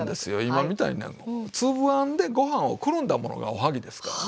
今みたいに粒あんでご飯をくるんだものがおはぎですからね。